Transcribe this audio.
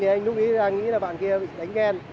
thì anh lúc ý là anh nghĩ là bạn kia bị đánh ghen